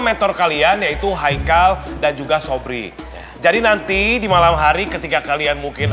meter kalian yaitu haikal dan juga sobri jadi nanti di malam hari ketika kalian mungkin